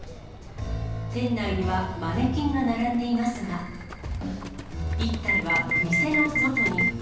店内にはマネキンが並んでいますが、１体は店の外に。